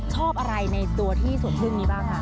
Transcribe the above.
ชอบอะไรในตัวที่สวนพึ่งนี้บ้างคะ